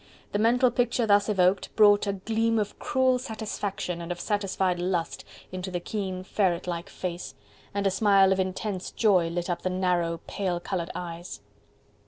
The mental picture thus evoked brought a gleam of cruel satisfaction and of satiated lust into the keen, ferret like face, and a smile of intense joy lit up the narrow, pale coloured eyes.